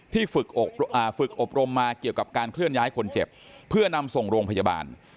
ฝึกอบรมมาเกี่ยวกับการเคลื่อนย้ายคนเจ็บเพื่อนำส่งโรงพยาบาล